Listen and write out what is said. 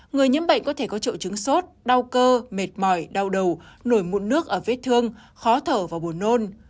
người nhiễm bệnh có thể có triệu chứng sốt đau cơ mệt mỏi đau đầu nổi mụn nước ở vết thương khó thở và buồn nôn